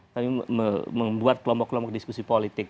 kami membuat kelompok kelompok diskusi politik